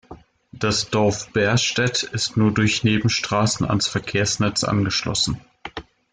Das Dorf Berstett ist nur durch Nebenstraßen ans Verkehrsnetz angeschlossen.